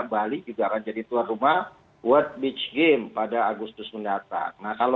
bali juga akan jadi tuan rumah world beach game pada agustus mendatang